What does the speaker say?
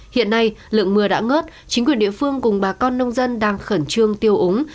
hiện nay lượng mưa đã ngớt chính quyền địa phương cùng bà con nông dân đang khẩn trương tiêu úng